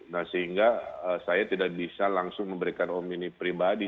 nah sehingga saya tidak bisa langsung memberikan omini pribadi